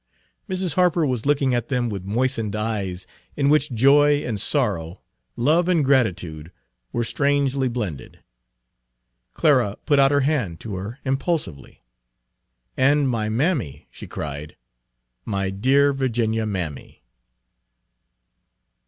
Mrs. Harper was looking at them with moistened eyes in which joy and sorrow, love and gratitude, were strangely blended. Clara put out her hand to her impulsively. "And my mammy," she cried, "my dear Virginia mammy."